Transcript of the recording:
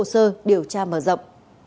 hồ sơ điều tra mở rộng